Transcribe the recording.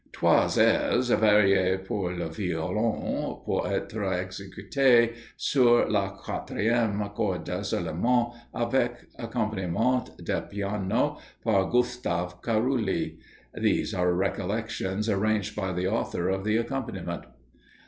"Trois airs variés pour le Violon, pour être exécutés sur la quatrième corde seulement, avec accompagnement de Piano, par Gustave Carulli." These are recollections arranged by the author of the accompaniment.